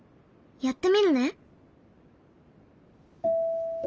やってみるね！